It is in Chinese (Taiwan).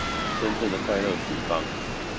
真正的快樂處方